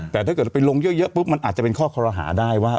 แต่ถ้าเกิดไปลงเยอะปุ๊บมันอาจจะเป็นข้อคอรหาได้ว่า